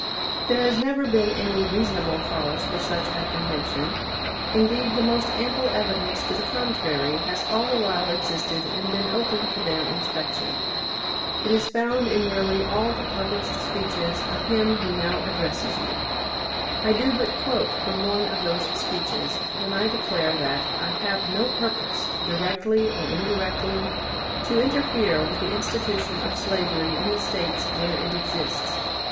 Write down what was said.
There has never been any reasonable cause for such apprehension. Indeed, the most ample evidence to the contrary has all the while existed and been open to their inspection. It is found in nearly all the published speeches of him who now addresses you. I do but quote from one of those speeches, when I declare that "I have no purpose, directly or indirectly, to interfere with the institution of slavery in the States where it exists."